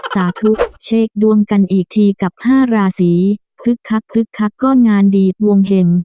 สาธุเช็คดวงกันอีกทีกับ๕ราศีคึกคักคึกคักก็งานดีดวงเห็ม